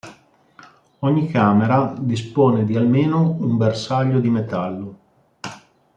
Ogni camera dispone di almeno un bersaglio di metallo.